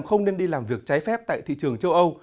không nên đi làm việc trái phép tại thị trường châu âu